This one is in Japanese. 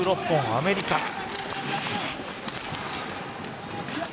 ２６本、アメリカ。